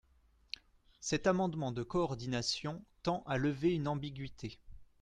Cet amendement de coordination tend à lever une ambiguïté.